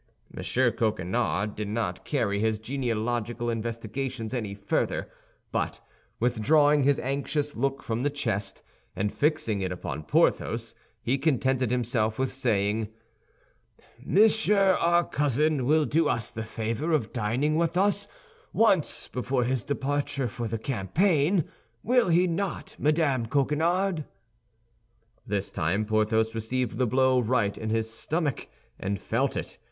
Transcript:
M. Coquenard did not carry his genealogical investigations any further; but withdrawing his anxious look from the chest and fixing it upon Porthos, he contented himself with saying, "Monsieur our cousin will do us the favor of dining with us once before his departure for the campaign, will he not, Madame Coquenard?" This time Porthos received the blow right in his stomach, and felt it.